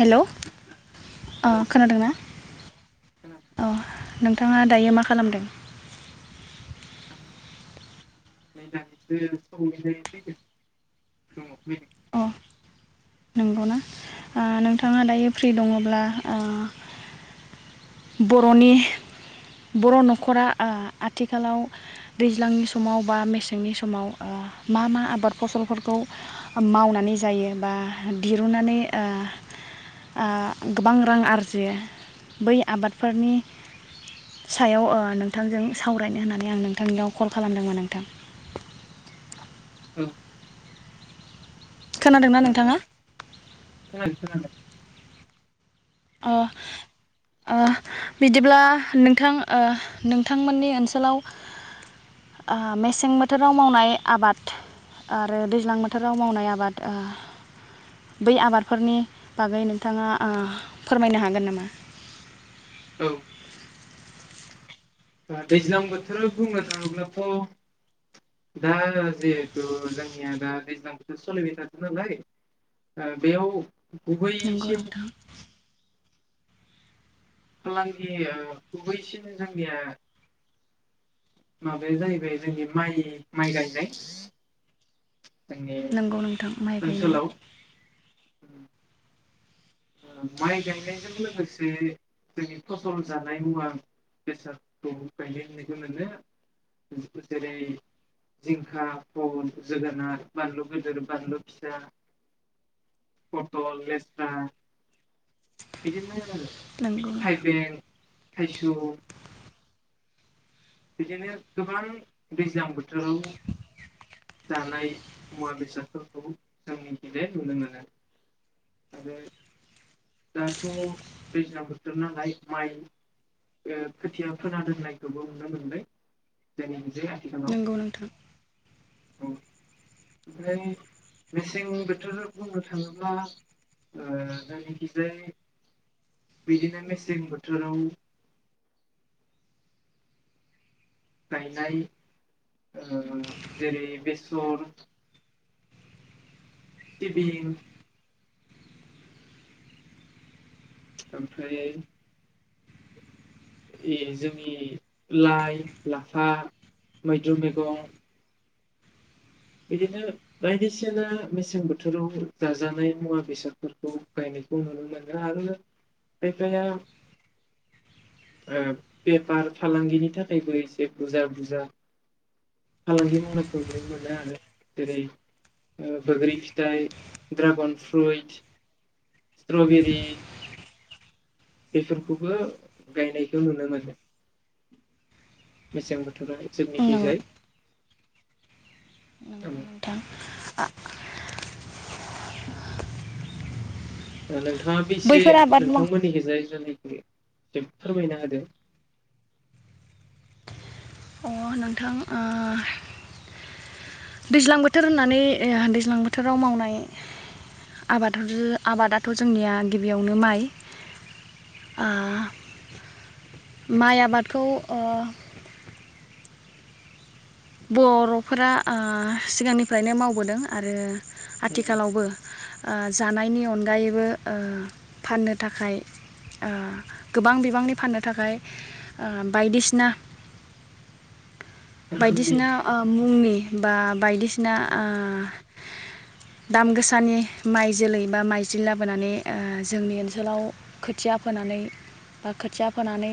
हेल' औ अ नोंथां खोनादोंना खोनादों अ नोंथाङा दायो मा खालामदों आं नै दानिसो अ सफैदों नंगौना ओ नोंथाङा दायो फ्रि दङ अब्ला ओ बर'नि बर' न'खरा आ आथिखालाव दैज्लांनि समाव बा मेसेंनि समाव अ मा मा आबाद फसलफोरखौ मावनानै जायो बा दिरुनानै आ आह गोबां रां आरजियो बै आबादफोरनि सायाव ओ नोंथांजों सावरायनो होननानै आं नोंथांनियाव कल खालामदोंमोन नोंथां औ खोनादोंना नोंथाङा खोनादों खोनादों ओ ओ बिदिब्ला नोंथां ओ नोंथांमोननि ओनसोलाव आ मेसें बोथोराव मावनाय आबाद आरो दैज्लां बोथोराव मावनाय आबाद ओह बै आबादफोरनि बागै नोंथाङा ओह फोरमायनो हागोन नामा औ ओ दैज्लां बोथोर बुंनो थाङोब्लाथ' दा जिहेथु जोंनिया दा दैज्लां बोथोर सोलिबाय थादों नालाय अ बेयाव नंगौ गुबैसिन नोंथां फालांगि गुबैसिन जोंनिया माबाया जाहैबाय जोंनि माइ माइ गायनाय जोंनि नंगौ नोंथां माइ गायनाय ओनसोलाव ओ माइ गायनायजों लोगोसे जोंनि फसल जानाय मुवा बेसादखौ गायनाय होननायखौ मोनो जेरै जिंखा फल जोगोनार बानलु गदिर बानलु फिसा फथल लेस्रा बिदिनो नंगौ नोंथां थाइबें थाइसौ बिदिनो गोबां दैज्लां बोथोराव जानाय मुवा बेसादफोरखौ जोंनि खैहा नुनो मोनो आरो दाथ' दैज्लां बोथोर नालाय माइ ओ खोथिया फोना दोननायखौबो मोननै दिनैनि जे नंगौ नोंथां औ ओमफ्राय मेसें बोथोर बुंनो थाङोब्ला ओ जोंनिखैजाय बिदिनो मेसें बोथोराव गायनाय ओ जेरै बेसर सिबिं ओमफ्राय ए जोंनि लाइ लाफा मैद्रु मैगं बिदिनो बायदिसिना मेसें बोथोराव जाजानाय मुवा बेसादफोरखौ गायनायखौ नुनो मोनो आरो खायफाया बेफार फालांगिनि थाखायबो एसे बुरजा बुरजा फालांगि मावनायखौ नुनो मोनो आरो जेरै बग्रि फिथाइ दड्रागन फ्रुइट ट्रबेरि बेफोरखौबो गायनायखौ नुनो मोनो। मेसें बोथोर जोंनिखि नंगौ जाय मोनथाम [unintelligible] नोंथाङाबो एसे बैफोर आबाद माव नोंथांमोननि खिजाया फोरमायना होदों औ ओ दैज्लां बोथोर होननानै ओ दैज्लां बोथोराव मावनाय आबाद आबादाथ' जोंनिया गिबियावनो माइ ओह माइ आबादखौ बर'फोरा ओ सिगांनिफ्रायनो मावबोदों आरो आथिखालावबो ओ जानायनि अनगायैबो ओ फाननो थाखाय ओ गोबां बिबांनि फाननो थाखाय ओ बायदिसिना रोखोमनि बायदिसिना ओ मुंनि बा बायदिसिना ना ओ दाम गोसानि माइ जोलै बा माइजलि लाबोनानै ओ जोंनि ओनसोलाव खोथिया फोनानै बा खोथिया फोनानै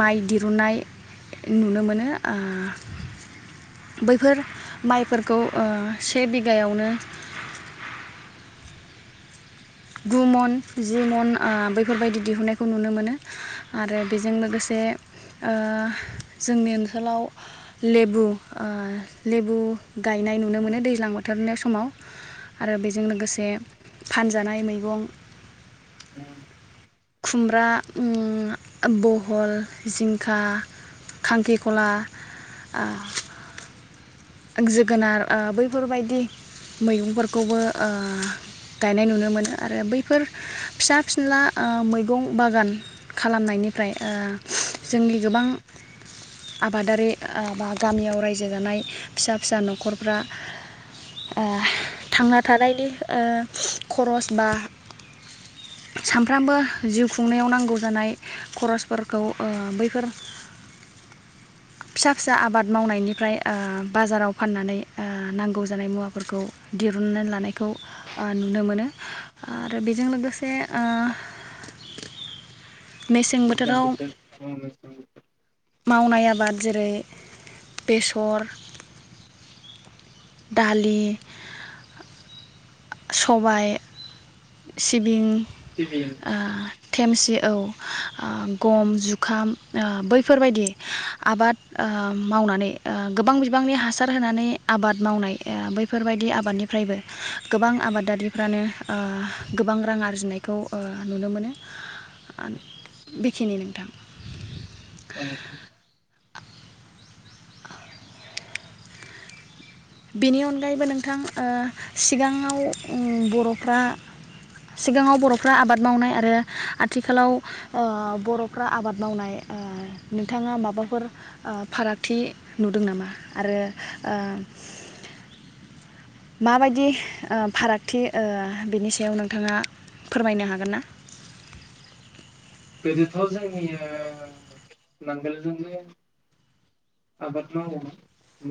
माइ दिरुननाय नुनो मोनो। ओह बैफोर माइफोरखौ ओह से बिगायावनो गु मन जि मन ओह बैफोरबायदि दिहुननायखौ नुनो मोनो। आरो बेजों ओह लोगोसे जोंनि ओनसोलाव लेबु ओ लेबु गायनाय नुनो मोनो दैज्लां बोथोरनि समाव आरो बेजों लोगोसे फान जानाय मैगं खुमब्रा ओम बहल जिंखा खांखिखला ओ जोगोनार ओ बैफोरबायदि मैगंफोरखौबो ओ गायनाय नुनो मोनो आरो बैफोर फिसा फिनला ओ मैगं बागान खालामनायनिफ्राय ओ जोंनि गोबां आबादारि ओ बा गामियाव रायजो जानाय फिसा फिसा न'खरफ्रा ओ थांना थानायनि ओ खरस बा सानफ्रामबो जिउ खुंनायाव नांगौ जानाय खरसफोरखौ ओ बैफोर फिसा फिसा आबाद मावनायनिफ्राय ओ बाजाराव फाननानै ओ नांगौ जानाय मुवाफोरखौ दिरुननानै लानायखौ नुनो मोनो। आरो बेजों लोगोसे ओ [unintelligible] मावनाय आबाद जेरै बेसर दालि सबाय सिबिं सिबिं ओ थेमसि औ ओ गम जुखाम ओ‌ बैफोरबायदि आबाद ओ मावनानै ओ गोबां बिबांनि हासार होनानै आबाद मावनाय ओ बैफोरबायदि आबादनिफ्रायबो गोबां आबादारिफ्रानो ओ गोबां रां आरजिनायखौ ओ नुनो मोनो बेखिनि नोंथां औ [unintelligible] बेनि अनगायैबो नोंथां ओ सिगाङाव उम बर'फ्रा सिगाङाव बर'फ्रा आबाद मावनाय आरो आथिखालाव ओ बर'फ्रा आबाद मावनाय ओ नोंथाङा माबाफोर ओ फारागथि नुदों नामा? आरो ओ माबायदि ओ फारागथि ओ बिनि सायाव नोंथाङा फोरमायनो हागोन ना? गोदोथ जोंनिया नांगोलजोंनो आबाद मावोमोन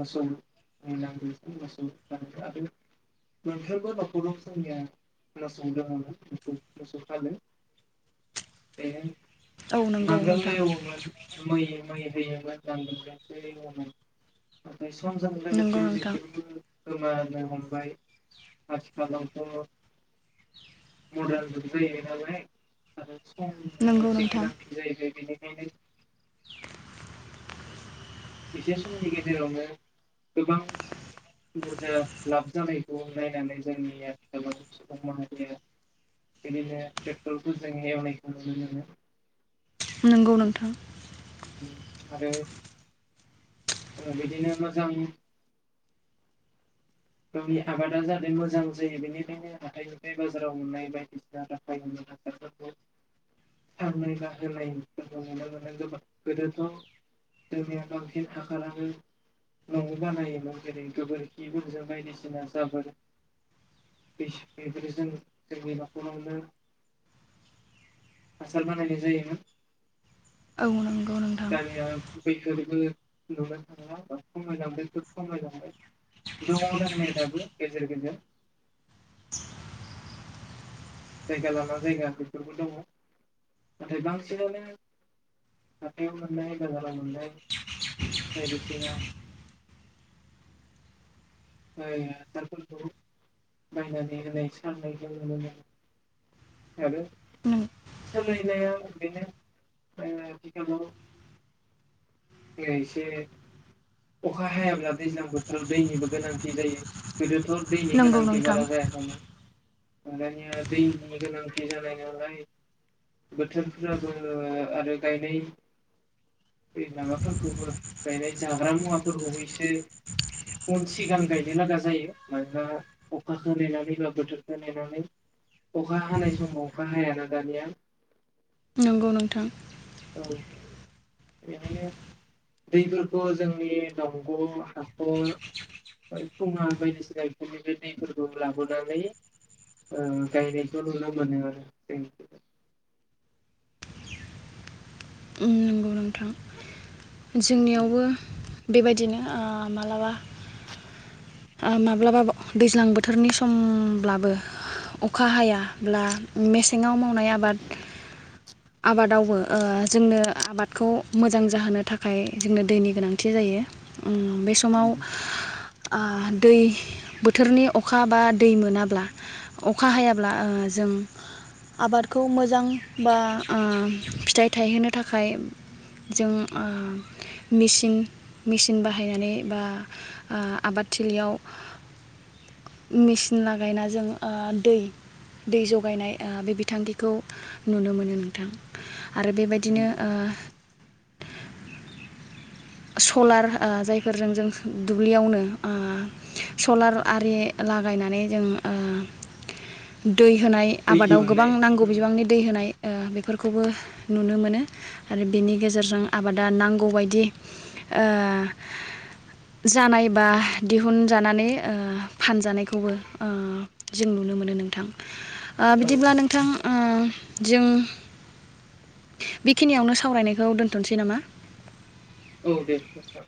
मोसौ नांगोलजों मोसौ आरो मोनफ्रोमबो न'खराव जोंनिया मोसौ दङमोन मोसौ फालो बे औ नंगौ नांगोल नोंथां एवोमोन मै मै होयो [unintelligible] समजों नंगौ लोगोसे नोंथां बेफोरबो गोमानो हमबाय आथिखालावथ' मदार्न जुग जायो नालाय आरो [unintelligible] नंगौ नोंथां गोनांथि जायैबाय बेनो बेनो इसे समनि गेजेरावनो गोबां बुरजा लाब जानायखौ नायनानै जोंनि [unintelligible] बिदिनो ट्रेक्टरफोरजों एवनायखौ नुनो मोनो। नोंगौ नोंथां। आरो [inaudible] ओ बिदिनो मोजां गावनि आबादा जाहाथे मोजां जायो बेनिखायनो हाथाइनिफ्राय बाजाराव मोननाय बायदिसिना राफाय होननाय हासारफोरखौ सांनाय बा होनायफोरखौ नुनो मोनो गोबां गोदोथ' जोंनिया बांसिन हासारानो न'आव बानायोमोन जेरै गोबोरखिफोरजों बायदिसिना जाबोर [inaudible] बेस- बेफोरो जों जोंनि न'खरावनो [inaudible] हासार बानायनाय जायोमोन। औ नंगौ [inaudible] नोंथां दानिया बैफोरबो [unintelligible] खमायलांबाय दङ दोननाय दाबो गेजेर गेजेर जायगा लामा जायगा बेफोरबो दङ। नाथाय बांसिनानो हाथायाव मोननाय बाजाराव मोननाय बायदिसिना [unintelligible] हासारफोरखौ बायनानै होनाय सारनायखौ नुनो मोनो। आरो [inaudible] सोलायनाया बेनो ओ आथिखालाव [inaudible] एसे अखा हायाब्ला दैज्लां बोथोराव दैनिबो गोनांथि जायो गोदो थ' दैनि नंगौ गोनांथि नोंथां बारा जायाखैना। ओ दानिया दैनि गोनांथि जानाय नालाय [inaudible] बोथोरफोराबो आरो गायनाय [inaudible] दैज्लाङाथ' गुबुन गायनाय जा ग्रा मुवाफोरखौबो एसे उन सिगां गायनो लागा जायो मानोना अखाखौ नेनानै बा बोथोरखौ नेनायनानै अखा हानाय समाव अखा हायाना दानिया। नंगौ नोंथां। औ, बिनिखायनो, दैफोरखौ जोंनि दंग' हाखर ओमफय खुङा बायदिसिना इफोरनिफ्रा दैफोरखौ लाबोनानै ओ गायनायखौ नुनो मोनो आरो जोंनिखैजाय। नंगौ नोंथां जोंनियावबो जों बेबायदिनो आ मालाबा ओ माब्लाबा दैज्लां बोथोरनि समब्लाबो अखा हायाब्ला मेसेङाव मावनाय आबाद, आबादावबो ओ जोंनो आबादखौ मोजां जाहोनो थाखाय जोंनो दैनि गोनांथि जायो। ओं बे समाव आ दै बोथोरनि अखा बा दै मोनाब्ला अखा हायाब्ला ओ जों आबादखौ मोजां बा ओ फिथाइ थायहोनो थाखाय जों ओ मिसिं मिसिंन बाहायनानै बा ओ आबाद थिलियाव [inaudible] मेसिन लागायना जों ओ दै, दै जगायनाय ओ बे बिथांखिखौ नुनो मोनो नोंथां। आरो बेबायदिनो ओ सलार ओ जायफोरजों दुब्लियावनो ओ सलार आरि लागायनानै जों ओ दै होनाय दै आबादाव गोबां दिहुननाय नांगौ बिबांनि दै होनाय ओ बेफोरखौबो नुनो मोनो आरो बिनि गेजेरजों आबादा नांगौबायदि ओ, जानाय बा दिहुनजानानै ओ फानजानायखौबो ओ, जों नुनो मोनो नोंथां। ओ औ बिदिब्ला नोंथां उम जों बेखिनियावनो सावरायनायखौ दोन्थनोसै नामा? औ दे नोंथां।